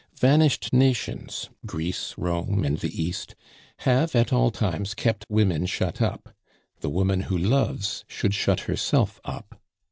Vanished nations, Greece, Rome, and the East, have at all times kept women shut up; the woman who loves should shut herself up.